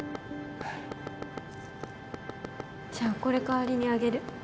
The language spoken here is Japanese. じゃあこれ代わりにあげる。